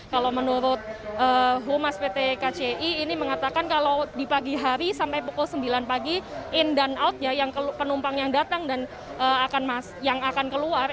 kalau menurut humas pt kci ini mengatakan kalau di pagi hari sampai pukul sembilan pagi in dan out penumpang yang datang dan yang akan keluar